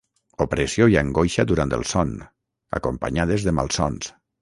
Opressió i angoixa durant el son, acompanyades de malsons.